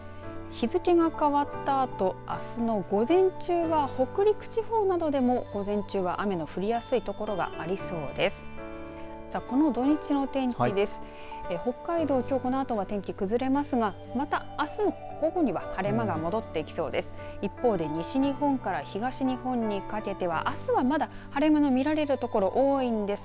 日付が変わったあとあすの午前中は北陸地方などでも午前中は、雨の降りやすい所がありそうです。